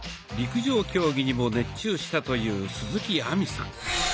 陸上競技にも熱中したという鈴木亜美さん。